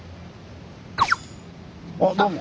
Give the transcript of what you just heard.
あどうも。